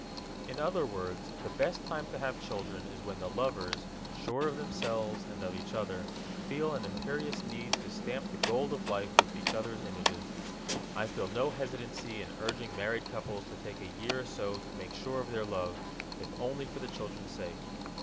In other words, the best time to have children is when the lovers, sure of themselves and of each other, feel an imperious need to stamp the gold of life with each other's images. I feel no hesitancy in urging married couples to take a year or so to make sure of their love, if only for the children's sake.